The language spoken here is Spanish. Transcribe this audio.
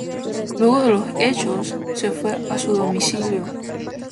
Luego de los hechos, se fue a su domicilio.